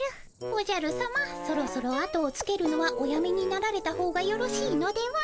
おじゃるさまそろそろ後をつけるのはおやめになられたほうがよろしいのでは。